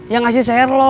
ya ngasih sherlock